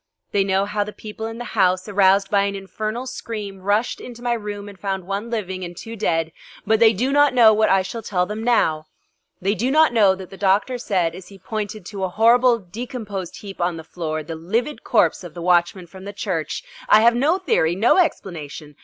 They know how the people in the house, aroused by an infernal scream, rushed into my room and found one living and two dead, but they do not know what I shall tell them now; they do not know that the doctor said as he pointed to a horrible decomposed heap on the floor the livid corpse of the watchman from the church: "I have no theory, no explanation.